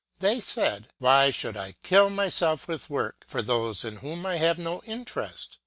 They said :" Why should I kill myself with work for those in whom I have no interest